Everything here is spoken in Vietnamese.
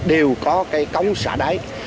đều có cái cống xả đáy